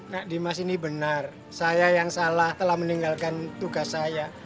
nak dimas ini benar saya yang salah telah meninggalkan tugas saya